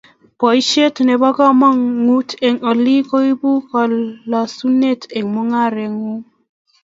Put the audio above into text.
Boisiet nebo kamanut eng olik koibu kolosunet eng mung'areng'ung